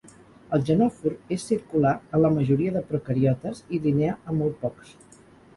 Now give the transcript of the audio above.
El genòfor és circular en la majoria de procariotes, i linear en molt pocs.